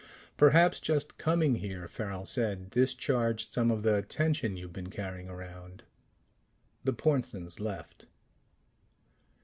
"Perhaps just coming here," Farrel said, "discharged some of the tension you've been carrying around." The Pornsens left.